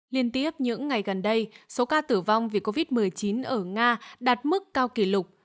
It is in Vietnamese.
liên tiếp những ngày gần đây số ca tử vong vì covid một mươi chín ở nga đạt mức cao kỷ lục